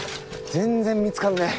全然見つからねえ。